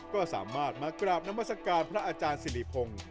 ก็สามารถมากราบนามัศกาลพระอาจารย์สิริพงศ์